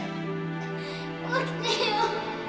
起きてよ！